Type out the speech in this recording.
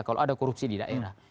kalau ada korupsi di daerah